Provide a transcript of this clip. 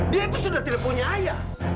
dia itu sudah tidak punya ayah